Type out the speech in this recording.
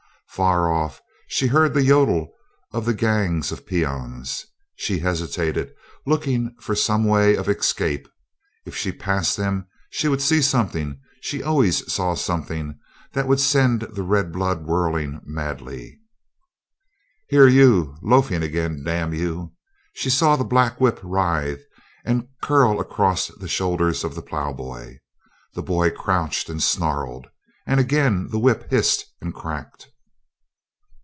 Far off she heard the yodle of the gangs of peons. She hesitated, looking for some way of escape: if she passed them she would see something she always saw something that would send the red blood whirling madly. "Here, you! loafing again, damn you!" She saw the black whip writhe and curl across the shoulders of the plough boy. The boy crouched and snarled, and again the whip hissed and cracked.